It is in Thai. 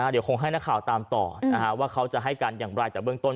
โดยคงให้นะครัวตามต่อว่าเขาจะให้การอย่างใบแต่เบื้องต้น